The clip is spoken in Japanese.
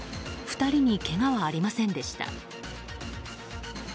２人にけがはありませんでした。